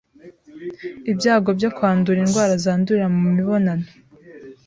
ibyago byo kwandura indwara zandurira mu mibonano